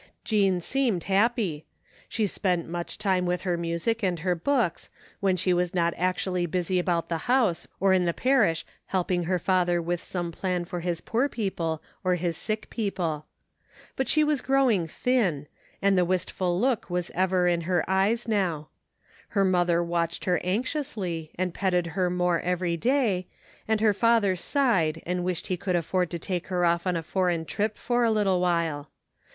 Jean seemed happy. She spent much time with her music and her books, when she was not actually busy about the house or in the parish helping her father with some plan for his poor people or his sick people. But she was growing thin, and the wistful look was ever in her eyes now. Her mother watched her anxiously and petted her more every day, and her father sighed and wished he could afford to take her off on a foreign trip for a little while.